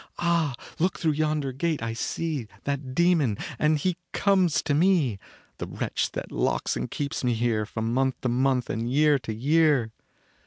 Ah, look through yonder gate I see That demon and he comes to me The wretch that locks and keeps me here From month to month and year to year.